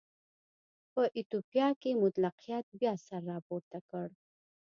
په ایتوپیا کې مطلقیت بیا سر راپورته کړ.